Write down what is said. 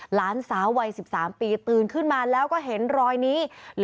หลานสาววัย๑๓ปีตื่นขึ้นมาแล้วก็เห็นรอยนี้